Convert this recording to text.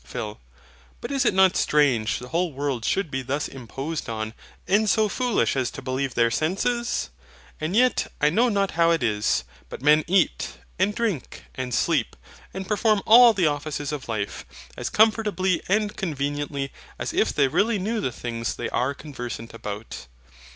PHIL. But is it not strange the whole world should be thus imposed on, and so foolish as to believe their senses? And yet I know not how it is, but men eat, and drink, and sleep, and perform all the offices of life, as comfortably and conveniently as if they really knew the things they are conversant about.